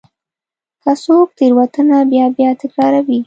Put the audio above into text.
که څوک تېروتنه بیا بیا تکراروي.